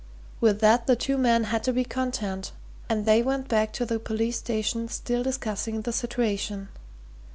With that the two men had to be content, and they went back to the police station still discussing the situation.